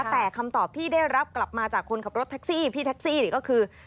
แต่คำตอบที่ได้รับกลับมาจากคนขับรถแท็กซี่พี่แท็กซี่นี่ก็คือ